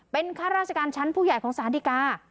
เป็นข้าราชการชั้นผู้ใหญ่ของสารดีกา